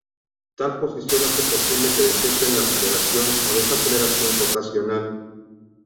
Tal posición hace posible que detecten la aceleración o desaceleración rotacional.